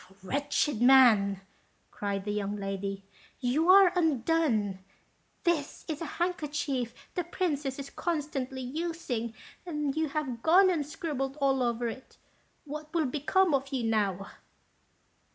"Wretched man!" cried the young lady, "you are undone. This is a handkerchief the princess is constantly using, and you have gone and scribbled all over it; what will become of you now?"